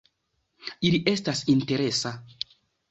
Ili estas interesa.